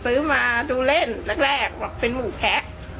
ซื้อมาดูเล่นแรกบอกเป็นหมูแคะ